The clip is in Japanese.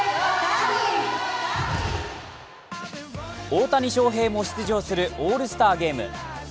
大谷翔平も出場するオールスターゲーム。